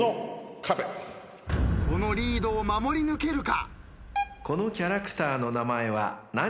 このリードを守り抜けるか。